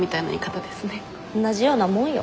同じようなもんよ。